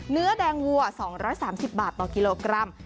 เนื้อแดงวัว๒๓๐บาทต่อกิโลกรัม